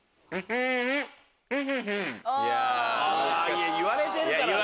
いや言われてるからね。